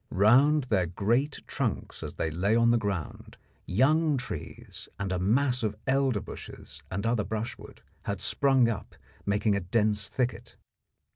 Round their great trunks as they lay on the ground, young trees and a mass of elder bushes and other brushwood had sprung up, making a dense thicket.